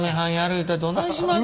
言うたらどないします？